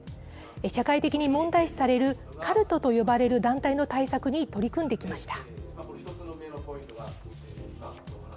社会的に問題視されるカルトと呼ばれる団体の対策に取り組んできました。